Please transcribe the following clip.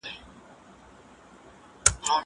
زه هره ورځ کاغذ ترتيب کوم؟!